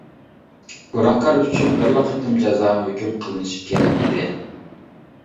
گۇناھكار ئۈچۈن بىرلا قېتىم جازا ھۆكۈم قىلىنىشى كېرەك ئىدى.